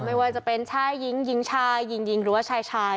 ไม่ว่าจะเป็นชายยิงยิงชายยิงยิงรัวชายชาย